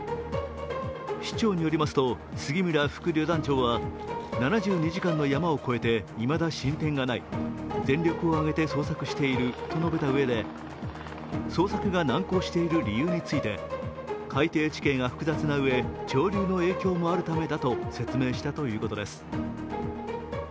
市長によりますと、杉村副旅団長は７２時間のヤマを越えていまだ進展がない、全力を挙げて捜索していると述べたうえで捜索が難航している理由について、海底地形が複雑なうえ、潮流の影響もあるためだと説明したということです。